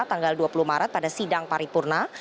tanggal dua puluh maret pada sidang paripurna